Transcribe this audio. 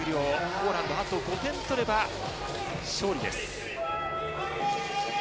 ポーランドあと５点取れば勝利です。